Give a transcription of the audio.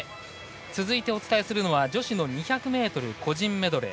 続いてお伝えするのは女子の２００ｍ個人メドレー。